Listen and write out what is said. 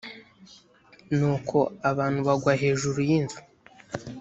nuko abantu bagwa hejuru yinzu